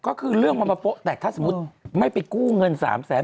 ก็คือเรื่องของประโปรแต่ถ้าสมมุติไม่ไปกู้เงิน๓๐๐๐๐๐บาท